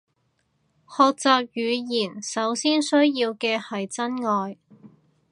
學習語言首先需要嘅係真愛